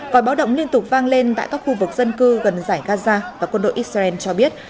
vòi báo động liên tục vang lên tại các khu vực dân cư gần giải gaza và quân đội israel cho biết